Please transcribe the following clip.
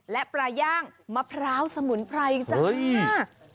และปลาย่างมะพร้าวสมุนไพรจ้า